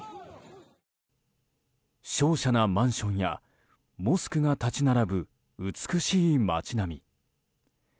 瀟洒なマンションやモスクが立ち並ぶ美しい街並み。